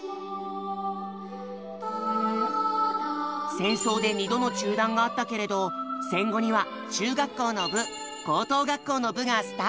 戦争で２度の中断があったけれど戦後には中学校の部高等学校の部がスタート。